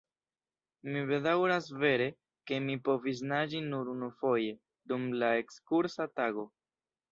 Mi bedaŭras vere, ke mi povis naĝi nur unufoje, dum la ekskursa tago.